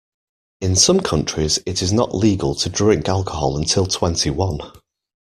In some countries it is not legal to drink alcohol until twenty-one